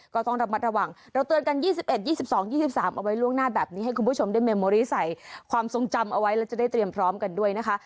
ก็ต้องระมัดระวังเราเตือนกัน๒๑๒๒๒๓เอาไว้ล่วงหน้าแบบนี้ให้คุณผู้ชมได้เมโมริสัยความทรงจำเอาไว้แล้วจะได้เตรียมพร้อมกันด้วยนะคะ